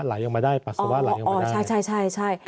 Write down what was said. ไหลออกมาได้ปัสสาวะไหลออกมาได้